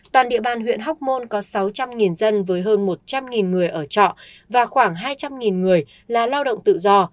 toàn địa bàn huyện hóc môn có sáu trăm linh dân với hơn một trăm linh người ở trọ và khoảng hai trăm linh người là lao động tự do